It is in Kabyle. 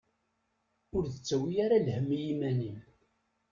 Ur d-ttawi ara lhemm i iman-im.